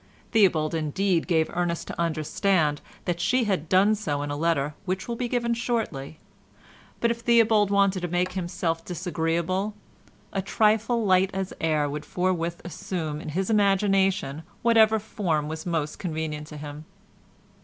Theobald indeed gave Ernest to understand that she had done so in a letter which will be given shortly, but if Theobald wanted to make himself disagreeable, a trifle light as air would forthwith assume in his imagination whatever form was most convenient to him.